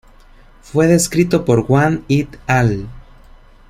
Fue descrito por Wang "et al.